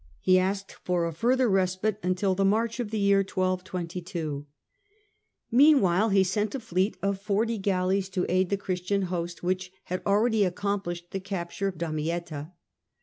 He asked for a further respite until the March of the year 1222. Meanwhile KING AND EMPEROR 67 he sent a fleet of forty galleys to aid the Christian host, which had already accomplished the capture of Damietta.